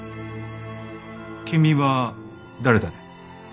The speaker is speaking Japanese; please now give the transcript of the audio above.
君は誰だね？